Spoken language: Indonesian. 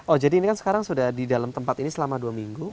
oh jadi ini kan sekarang sudah di dalam tempat ini selama dua minggu